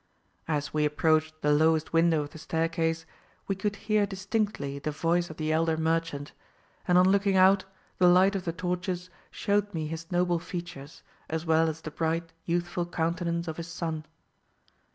"As we approached the lowest window of the staircase, we could hear distinctly the voice of the elder merchant; and on looking out, the light of the torches showed me his noble features, as well as the bright youthful countenance of his son.